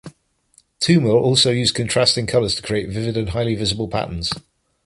Toomer also used contrasting colors to create vivid and highly visible patterns.